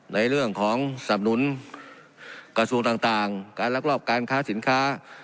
ในเรื่องของสำนุนกระทรวงต่างการลักลอบการค้าสินค้า